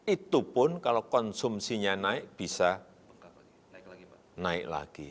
itu pun kalau konsumsinya naik bisa naik lagi